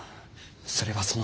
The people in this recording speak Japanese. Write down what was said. それはその。